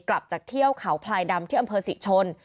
กลับจากเที่ยวเขาพลายดำที่อำเภอศรีชน